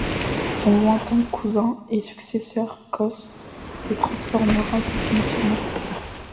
Son lointain cousin et successeur, Cosme, les transformera définitivement.